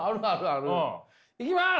いきます！